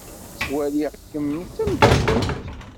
Ttwaliɣ-kem d tameddakelt.